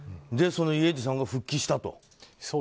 そのイェジさんが復帰したと。